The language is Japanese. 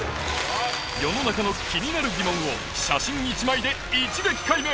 世の中の気になる疑問を写真１枚で一撃解明